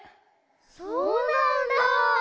そうなんだ。